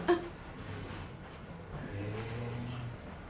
へえ。